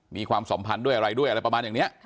ความสัมพันธ์ด้วยอะไรด้วยอะไรประมาณอย่างนี้